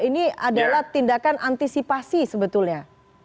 ini adalah tindakan antisipasi sebetulnya